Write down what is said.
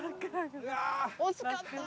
惜しかったな。